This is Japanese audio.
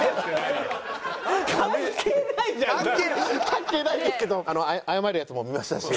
関係ないですけどあの謝るやつも見ましたし。